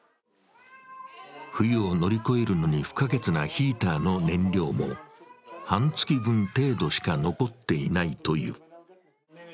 冬を乗り越えるのに不可欠なヒーターの燃料も半月分程度しか残っていないという。